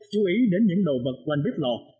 hai chú ý đến những đồ vật quanh bếp lò